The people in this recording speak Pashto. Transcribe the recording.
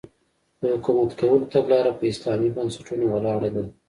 د حکومت کولو تګلاره په اسلامي بنسټونو ولاړه ده.